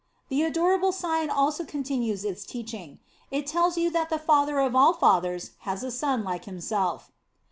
The adorable sign also continues its teaching. It tells you that the Father of all fathers has a Son like Himself.